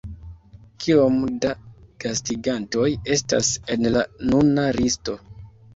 Kiom da gastigantoj estas en la nuna listo?